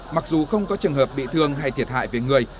mặc dù không có trường hợp bị thương hay thiệt hại về người